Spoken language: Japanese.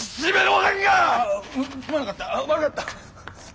悪かった。